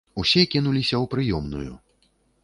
Усе кінуліся ў прыёмную.